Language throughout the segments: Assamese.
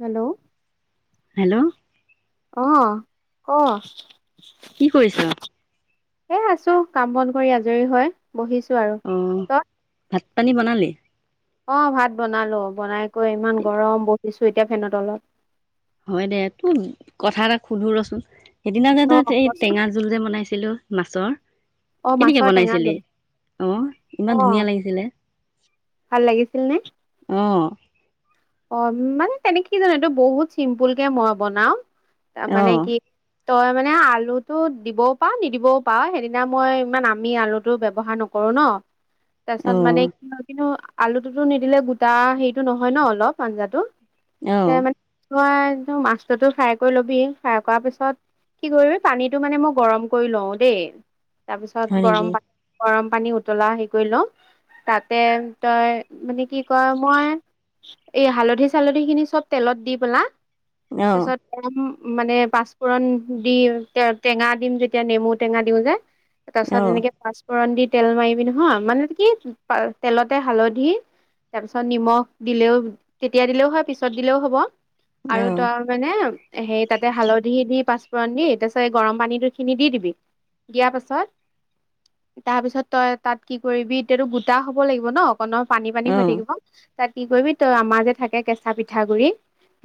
হেল্ল' হেল্ল' অ, ক কি কৰিছ? এ আছো কাম বন কৰি আজৰি হয় বহিছো আৰু অ টয়? ভাত পানী বনালি? অ' ভাত বনালো বনাই কৈ ইমান গৰম বহিছো এতিয়া ফেনৰ তলত। হয় দে তোৰ কথা এটা সুধো ৰচোন? সেইদিনা অ যে তই এই কচোন টেঙা জোল যে বনাইছিলো মাছৰ অ কেনেকে মাছৰ টেঙা বনাইছিলি জোল অ' অ ইমান ধুনীয়া লাগিছিলে ভাল লাগিছিল নে অ' অ' মানে তেনেক কি জানো এইটো বহুত চিম্পুল কে মই বনাও। ত অ মানে কি তই মানে আলুটো দিবও পাৰ নিদিবও পাৰ সেইদিনা মই ইমান আমি আলুটো ব্যৱহাৰ নকৰো ন। তাৰ অ পপিছত মানে কি কিন্তু আলুটোতো নিদিলে গোটা সেইটো নহয় ন অলপ পাঞ্জাটো আহ তই মাছটোতো ফ্ৰাই কৰি ল'বি ফ্ৰাই কৰা পিছত কি কৰিবি পানীটো মানে মই গৰম কৰি লওঁ দেই হয় তাৰপিছত গৰম নেকি পানী গৰম পানী উতলা হে কৰি ল তাতে তই মানে কি কয় মই এই হালধি চালধি খিনি চব তেলত দি পেলা। অ তাৰপছত [inaudible] মানে পাঁচফোৰণ দি টেঙা দিম যেতিয়া নেমু টেঙা দিও যে তাৰ পাছত অ অ এনেকে পাঁচফোৰণ দি তেল মাৰিবি নহয় মানে কি তেলতে হালধি তাৰ পিছত নিমখ দিলেও তেতিয়া দিলেও হয় পিছত দিলেও হ'ব। আৰু অ তই মানে সেই তাতে হালধি দি পাচ পুৰণ দি তাৰ পিছত এ গৰম পানীটো খিনি দি দিবি। দিয়াৰ পাছত, তাৰপিছত তই তাত কি কৰিবি এতিয়াতো গোটা হ'ব লাগিব ন। ন পানী পানী অ হৈ থাকিব। তাত কি কৰিবি। তই আমাৰ যে থাকে কেঁচা পিঠাগ গুৰি।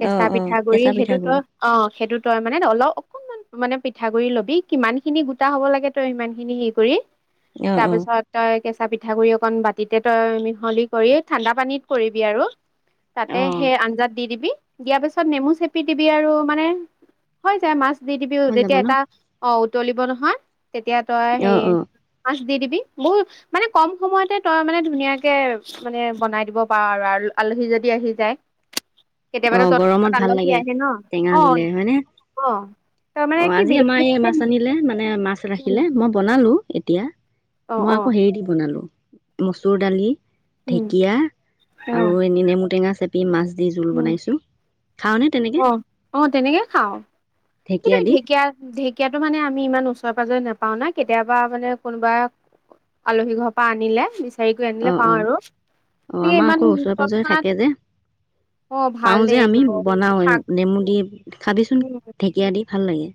কেঁচা অ পিঠা গুৰি কেঁচা সেইটো তই পিঠাগুৰি অ সেইটোত। তই মানে অলপ অকনমান মানে পিঠাগুৰি লবি কিমান খিনি গোটা হব লাগে তই সিমান খিনি হেৰি কৰি। অ অ তাৰপিছত তই কেচ। তা পিঠাগুৰি অকন বাটিতে তই মিহলি কৰি ঠাণ্ডা পানীত কৰিবি আৰু। তাতে অ সেই আঞ্জাত দি দিবি। দিয়াৰ পিছত নেমু চেপি দিবি আৰু মানে হৈ যায় মাছ। দি দিবি ও হৈ যাব যেতিয়া ন এটা। অ' তলিব নহয়। তেতিয়া তই অ হেই। অ দি দিবি বহুত মানে কম সময়তে তই মানে ধুনীয়াকে মানে বনাই দিব পাৰ আৰু আৰ। আলহী যদি আহি যায়। অ কেতিয়াবাতো গৰমত তৎক্ষণাত ভাল আলহী লাগে আহে ন টেঙা অ দিলে হয়নে, অ অ তাৰমানে কি আজি আমাৰ বিলাহী এই মাছ আনিলে মানে মাছ ৰাখিলে মই বনালো। এতিয়া। অ মই অ আকৌ হেই দি বনালো। মচুৰ দালি। উম ঢেকীয়া অ আৰু এনে নেমু টেঙা চেপ। পি মাজ। যি জোল বনাই। অহ অ তেনেকে খাওঁ। ঢেঁকীয়া দি। ঢেঁকীয়াতটো মানে আমি ইমান ওচৰে পাজৰে নাপাও না, কেতিয়াবা মানে কোনোবাই আলহী ঘৰৰ পৰা আনিলে বিচাৰি কৰি আনিলে অ', পাওঁ অ', আৰু অ', গতিকে আমাৰ ইমান আকৌ ওচৰে-পাজৰে তৎক্ষণাত থাকে যে, অ ভাল পাওঁ দে যে আমি এইবোৰ বনাও শাক নেমু দি খাবিচোন উম ঢেঁকীয়া দি। ভাল লাগে।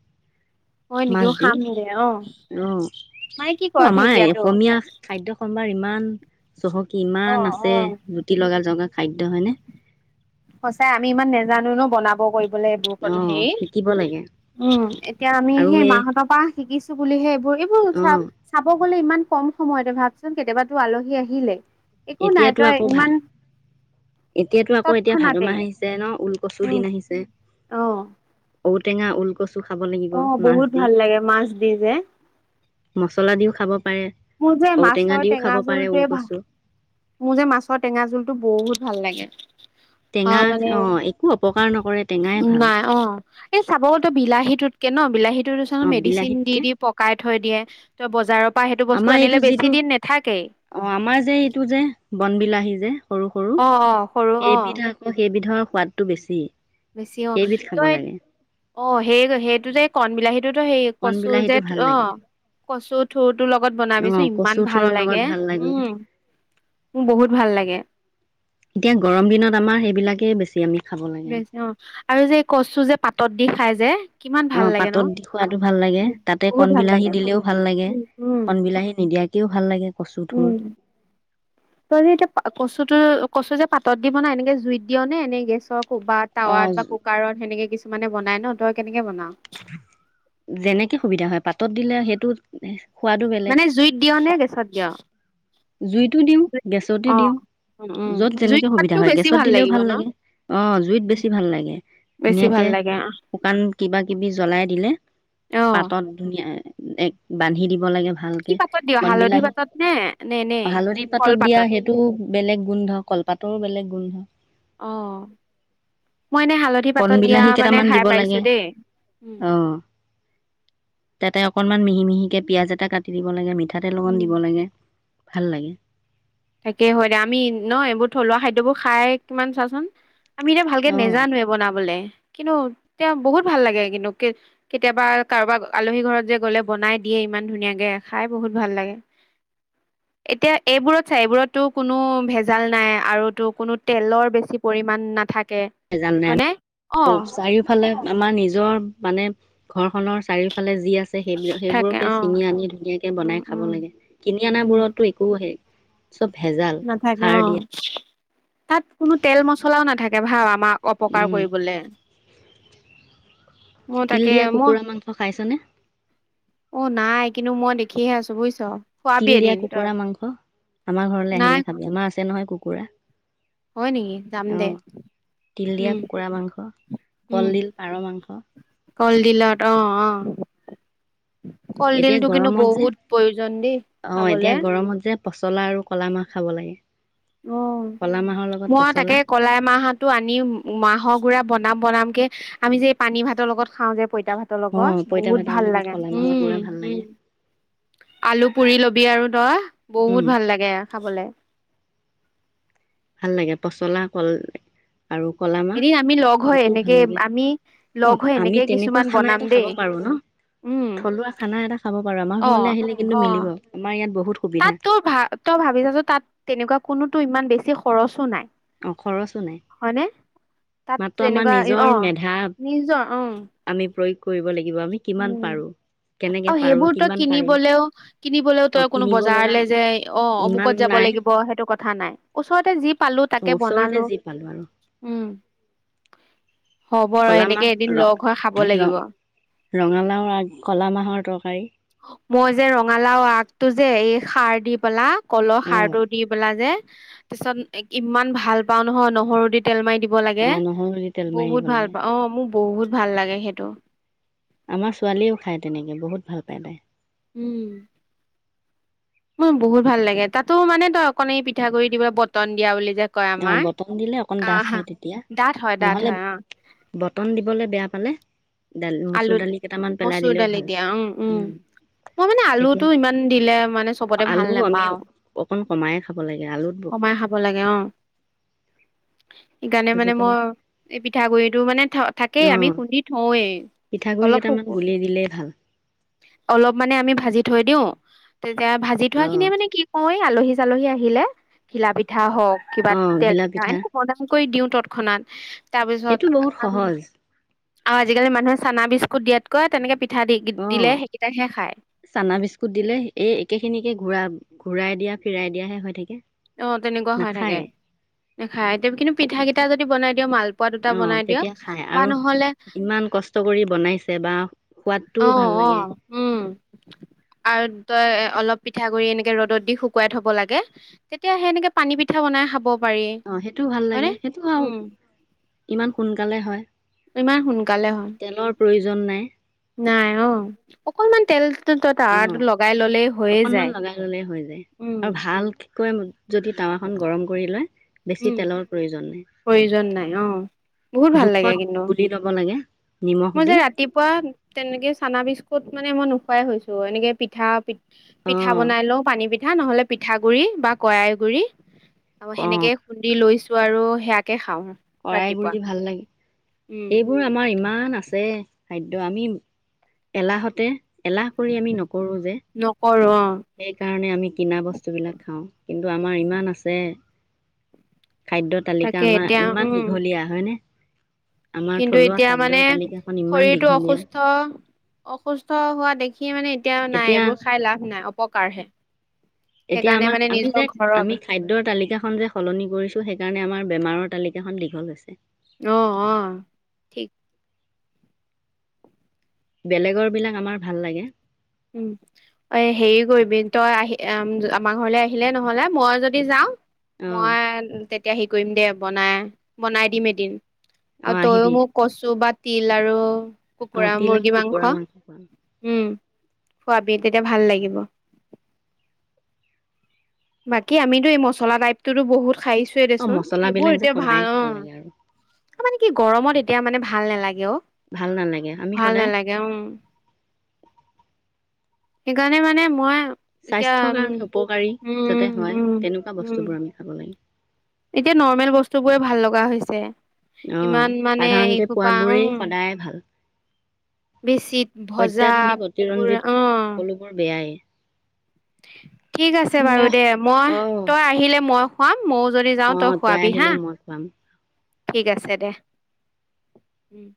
হয় নেকি মাছ অ দি খাম দে অ অ মানে কি কয় আমাৰ ঢেকীয়াটো এসমীয়া খাদ্য সম্ভাৰ। ইমান। চহকী অ ইমান অ আছে জুতি উম লগাল জগা খাদ্য হয়নে? সঁচাই আমি ইমান নাজানো ন' বনাব কৰি বোলে অ [unintelligible] হেই শিকিব লাগে উম এতিয়া আমি আৰু সেই এই মাহতঁৰপা শিকিছোঁ। বুলিহে হৰিবুল অ চ চাব হলেই ইমান কম সময়তে ভাবচোন কেতিয়াবাতো আলহী আহিলে একো নাই এতিয়াতো তই আকৌ ভাল ইমান এতিয়াতো আকৌ এতিয়া। ভাদ তৎক্ষণাতে মাহ আহিছে ন ওলকচুৰ উম দিন আহিছে। অ ঔটেঙা, উলকচো। অ' বহুত ভাল লাগে মাছ দি যে। মছলা দিও খাব পাৰে মোৰ যে ঔটেঙা মাছৰ দিও খাব টেঙা পাৰে জোলটোৱে ভাল ওলকচু মোৰ যে মাছৰ টেঙা জোলটো বহুত ভাল লাগে। টেঙা অ' মানে অঁ একো অপকাৰ নকৰে টেঙাই ভাল নাই অ' এই চাবতো বিলাহীটোত কে ন বিলাহী টোৰুচা অঁ মেডিচিন দি বিলাহীতকে দি পকাই থৈ দিয়ে। ত বজাৰত আমাৰ এইটো যিটো অ' আমাৰ যে এইটো যে। বনবিলাহী যে। সৰু, সৰু অ অ সৰু অ সেইবিধ আকৌ সেইবিধৰ সোৱাদটো বেছি। বেছি অ' সেইবিধ খাব তই লাগে অ' সেই সেইটো যে কণ বিলাহী টোতো সেই কণ কচু যে বিলাহীটো ভাল লাগে অ' কচু থোৰটো লগত বনাবিছো অঁ ইমান কচু ভাল থোৰৰ লগত লাগে ভাল লাগে উম মোৰ বহুত ভাল লাগে। এতিয়া গৰম দিনত আমাৰ সেইবিলাকেই বেছি আমি খাব লাগে বেছি অ' আৰু যে এই কচো যে পাতত দি খাই যে। কিমান ভাল অ' লাগে ন পাতত দি খুৱাতো ভাল লাগে উম তাতে বহুত কন ভাল বিলাহী লাগে দিলেও ভাল লাগে উম কন উম বিলাহী নিদিয়াকে কেও ভাল লাগে। কচু থুৰ উম তই যে এতিয়া কচুটো কচু যে পাতত দিব না এনেকে জুইত দিয় নে এনেই গেছক কোবাত অ টাৱাত বা কুকাৰত সেনেকে কিছুমান মানে বনাই ন তই কেনেকে বনাও যেনেকে সুবিধা হয় পাত ত দিলে সেইটো সোৱাদো বেলেগ মানে জুইত দিয়ওঁ নে গেছত দিয়? জুইতো দিওঁ, গেছতো অ দিওঁ উম উম যত জুইত যেনেকে সুবিধা খোৱাতটো হয় বেছি গেছত দিলেও লাগিব ভাল ন লাগে অ' জুইত বেছি ভাল লাগে বেছি ধুনীয়াকে ভাল লাগে শুকান কিবা জ্বলাই দিলে অ পাতত ধুনীয়া এক বান্ধি দিব লাগে কি ভালকে পাতত দিয় হালধি কণবিলাহী পাতত নে নে নে হালধি পাতত দিয়া কলপাতত সেইটো বেলেগ গোন্ধ, কলপাতৰো বেলেগ গোন্ধ। অ মই এনে হালধি কণ পাতত দিয়া বিলাহী মানে কেইটামান খাই দিব পাইছো লাগে দেই অ' তাতে অকণমান মিহি মিহিকে পিয়াঁজ এটা কাটি দিব লাগে মিঠা তাতে তেল অকণ উম দিব লাগে। ভাল লাগে। তাকেই হয় দে আমি ন এইবোৰ থলুৱা খাদ্যবোৰ খাই কিমান চাচোন। আমি এতিয়া ভালকে অ'। নেজানোৱে বনাবলে কিন্তু তেওঁ বহুত ভাল লাগে কিন্তু কেতিয়াবা কাৰোবাৰ আলহী ঘৰত যে গ'লে বনাই দিয়ে ইমান ধুনীয়াকে খাই বহুত ভাল লাগে এতিয়া এইবোৰত চাৰি বোৰত টো কোনো ভেজাল নাই আৰু তো কোনো তেলৰ বেছি পৰিমাণ নাথাকে। জানে হয়নে অ আৰু চাৰিওফালে আমাৰ নিজৰ মানে ঘৰখনৰ চাৰিওফালে যি আছে আছে সেই থাকে সেইবোৰকে অ চিঙি আনি ধুনীয়াকে উম বনাই খাব উম লাগে কিনি অনা উম বোৰতো একো সেই চব ভেজাল নাথাকে সাৰ অ দিয়া তাত কোনো তেল মছলাও নাথাকে ভ মাক অপকাৰ উম, কৰিবলে অ তিল তাকে দিয়া ম কুকুৰা মাংস খাইছনে? অ' নাই। কিন্তু মই দেখিহে আছো বুজিছ। খোৱাবি তিল দিয়া এদিন তই কুকুৰা মাংস আমাৰ ঘৰলে নাই আহিলে খাবি আমাৰ আছে নহয় কু কুকুৰা। হয় নেকি যাম দে অ' তিল দিয়া উম কুকুৰা মাংস উম কলডিল, পাৰ মাংস। কলডিলত অ', অ'। এতিয়া কলডিলটো কিন্তু গৰমত যে বহুত প্ৰয়োজন দেই অ খাবলে। এতিয়া গৰমত যে পচলা আৰু কল মাহ খাব লাগে। অ' ক'লা মাহৰ লগত মই তাকে পচলা কলাই মাহটো আনি মাহৰ গুৰা বনাম বনাম কে আমি যে এই পানী ভাতৰ লগত খাওঁ যে? পইটা ভাতৰ অ লগত পইতা বহুত ভাতৰ ভাল লগত লাগে ক'লা মাহৰ উম গুৰা ভাল উ লাগে আলু পুৰি লবি বি আৰু দহ বহুত উম ভাল লাগে খাবলে। ভাল লাগে পচলা কল আৰু কলা মাহ এদিন আমি লগ হৈ সেইটোও ভাল এনেকে লাগে। আমি লগ অ' হৈ আমি এনেকে তেনেকুৱা কিছুমান খানা বনাম এটা খাব দেই পাৰো ন? উম থলুৱা খানা এটা খাব পাৰো আমাৰ অ ঘৰলৈ আহিলে কিন্তু অ মিলিব। আমাৰ ইয়াত বহুত সুবিধা তাত তই ভ তই ভাবি চাচোন তাত তেনেকুৱা কোনো টো ইমান বেছি খৰচো নাই। অ' খৰচো নাই। হয়নে তাত মাত্ৰ আমাৰ তেনেকুৱা অ নিজৰ মেধা নিজৰ অ আমি প্ৰয়োগ কৰিব লাগিব আমি কিমান উম পাৰো কেনেকে আৰু পাৰো সেইবোৰ তই কিমান পাৰিম কিনিবলেও, কিনিবলেও অ তই কোনো কিনিব লগা বজাৰলে যে অ' ইমান অমুকত যাব নাই লাগিব সেইটো কথা নাই। ওচৰতে যি পাত খালো তাকে ওচৰতে বনালো। যি পালো আৰু উম। হ'ব ৰ ক'লা সেনেকে এদিন লগ হৈ খাব লাগিব। ৰঙালাওৰ আগ, কলা মাহৰ তৰকাৰী। তোৰ যে এই সাৰ দি পেলা কলহ অ সাৰ টো দি পেলা যে তাৰিছত ইমান ভাল পাও নহ নহৰু দি তেল মাৰি দিব ব অ লাগে নহৰু দি তেল মাৰি দিব বহুত ভাল লাগে পাওঁ অ' মোক বহুত ভাল লাগে সেইটো। আমাৰ ছোৱালীয়েও খায় তেনেকে বহুত ভাল পায় তাই। উম। মোৰ বহুত ভাল লাগে। তাতো মানে তই অকণ এই পিঠাগুৰি দিবলৈ বটন দিয়া বুলি যে কয় অ' আমাৰ বটন দিলে অকন ডাঠ আহ হয় তেতিয়া ডাঠ হয় ডাঠ নহলে হয় অ বটন দিবলে বেয়া পালে দালি মচুৰ আলুত দালি কেইটামান পেলাই মচুৰ দিলেও দালি ভাল দিয়া। উম, উম, মই মানে তেতিয়া আলুটো ইমান দিলে মানে চবতে আলু ভাল আমি নাপাওঁ। অকণ কমাই খাব লাগে আলুত ব কমাই খাব লাগে অ'। সেইকাৰণে মানে মই আজিকালি এই পিঠাগুৰি টো মানে থ থাকেই অ আমি খুন্দি থওঁৱেই। পিঠাগুৰি অলপ সো কেইটামান গুলি দিলেই ভাল অলপ মানে আমি ভাঁজি থ থৈদিও তেতিয়া ভাজি থোৱা অ খিনিয়ে মানে কি কওঁ এই আলহী আলহী আহিলে ঘিলা পিঠা হওক কিবা অ তেল ঘিলা পিঠা এনেকা বনাম কৰি দিওঁ তৎক্ষণাত তাৰপিছত সেইটো বহুত আৰু সহজ আজিকালি মানুহে চানা বিস্কুট দিয়াত কৈ তেনেকে পি অ' চানা বিস্কুট দিলে এই একে খিনিকে ঘুৰা, ঘূৰাই দিয়া ফিৰাই দিয়াহে হৈ থাকে। অ' তেনেকুৱা হয় থাকে। নাখায় নেখায় এতিয়া কিন্তু পিঠা কিটা যদি বনাই দিয় মাল অ' তেতিয়া খাই আৰু ইমান কষ্ট কৰি বনাইছে বা সোৱাদটোও ভাল অ', লাগে অ' উম আৰু তই অলপ পিঠাগুৰি এনেকে ৰ'দত দি শুকুৱাই থব লাগে তেতিয়া সেনেকে পানী পিঠা বনাই খাব পাৰি অ' সেইটোও ভাল লাগে হয়নে সেইটো আৰু উম ইমান সোনকালে হয়। ইমান সোনকালে হয়। জন নাই নাই অ' অকণমান তেল ত, ত অঁ লগাই ললেই হৈয়ে অকণমান যায় উম। কয় ম যদি টাৱাখন গৰম কৰি লয়। বেছি উম তেলৰ প্ৰয়োজন নাই প্ৰয়োজন নাই অ বহুত ভাল লাগে জোখত কিন্তু গুলি লব লাগে। নিমখ মই যে দি ৰাতিপুৱা তেনেকে চানা বি্চ ত মানে মই নোখোৱাই হৈছো এনেক পিঠা পিঠা অঁ বনাই লও পানী পিঠা। পিঠা নহলে পিঠাগুৰি বা কয়ই গুৰি অ অঁ সেনেকে খুন্দি লৈছো। আৰু সেয়াকে খাওঁ। কৰাই ৰাতিপুৱা গুৰিতো ভাল লাগে উম এইবোৰ আমাৰ ইমান আছে। খাদ্য আমি এলাহতে এলাহ কৰি আমি নকৰো যে। নকৰো অ সেইকাৰণে আমি কিনা বস্তুবিলাক খাওঁ কিন্তু আমাৰ ইমান আছে খাদ্যৰ তালিকা তাকে আমাৰ এতিয়া ইমান উম দীঘলীয়া হয়নে? আমাৰ কিন্তু থলুৱা এতিয়া মানে খাদ্যৰ তালিকাখন ইমান শৰীৰটো দীঘলীয়া অসুস্থ, অসুস্থ হোৱা দেখি মানে এতিয়া নাই এইবোৰ খাই লাভ নাই উপকাৰহে। এতিয়া আমাৰ আমি যে আমি খাদ্যৰ তালিকাখন যে সলনি কৰিছো সেইকাৰণে আমাৰ বেমাৰৰ তালিকাখন দীঘল হৈছে। অহ, অহ ঠিক। বেলেগৰ বিলাক আমাৰ ভাল লাগে উম এ হেৰি কৰিবি তই আহি এম আমাৰ ঘৰলে আহিলে নহলে মই যদি যাও অঁ মই তেতিয়া হি কৰিম দে বনাই, বনাই দিম এদিন। অ অঁ তই আহিবি মোক কচু বাত তিল আৰু অঁ কুকুৰা তিল আৰু মুৰ্গী কুকুৰা মাংস খোৱাম উম। খোৱাবি তেতিয়া ভাল লাগিব। বাকী আমিতো এই মছলা টাইপটোটো বহুত। খাইছোয়ে অঁ দেচোন, সেইবোৰ মছলাবিলাক যে এতিয়া কমাই ভাল অ। খাব লাগে আৰু মানে কি গৰমত এতিয়া মানে ভাল নালাগে অ। ভাল নালাগে আমি ভাল সদায় নালাগে, উম',। সেইকাৰণে মানে মই এতিয়া স্বাস্থ্যৰ কাৰণে উপকাৰী। উম যাতে উম হয়, উম তেনেকুৱা উম বস্তুবোৰ আমি খাব লাগে। এতিয়া নৰ্মেল বস্তু বোৰে ভাল লগা হৈছে। অ', ইমান মানে সাধাৰণতে পোৱ এইসোপা উম বোৰেই সদায় ভাল। বেছিত ভজা অত্যাধুনিক পুৰা অতিৰঞ্জিত সকলোবোৰ বেয়াই-। হে ঠিক আছে বাৰু দে, মই অ তই আহিলে মই মইও যদি যাও অ তই খুৱাবি হা। আহিলে মই খুৱাম ঠিক আছে দে, উম',।